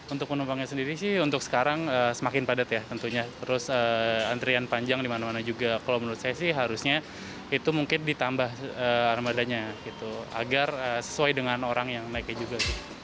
untuk penumpangnya sendiri sih untuk sekarang semakin padat ya tentunya terus antrian panjang dimana mana juga kalau menurut saya sih harusnya itu mungkin ditambah armadanya gitu agar sesuai dengan orang yang naiknya juga